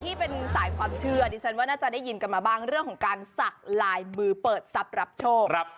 ที่เป็นสายความเชื่อดิฉันว่าน่าจะได้ยินกันมาบ้างเรื่องของการสักลายมือเปิดทรัพย์รับโชค